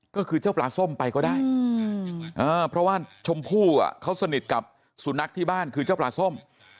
ก็คือเจ้าปลาส้มไปก็ได้เพราะว่าชมพู่เขาสนิทกับสุนัขที่บ้านคือเจ้าปลาส้ม